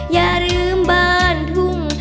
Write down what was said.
อย่าลืมบ้านทุ่ง